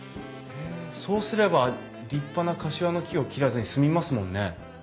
そうすれば立派なカシワの木を切らずに済みますもんね。